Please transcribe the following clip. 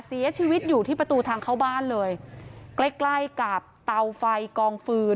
เสียชีวิตอยู่ที่ประตูทางเข้าบ้านเลยใกล้ใกล้กับเตาไฟกองฟืน